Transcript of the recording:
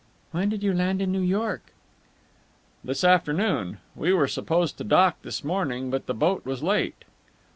"When did you land in New York?" "This afternoon. We were supposed to dock this morning, but the boat was late."